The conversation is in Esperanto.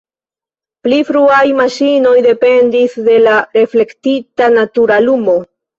Pli fruaj maŝinoj dependis de la reflektita natura lumo.